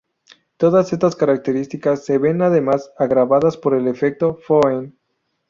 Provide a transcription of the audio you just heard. Todas estas características se ven, además, agravadas por el efecto Foehn.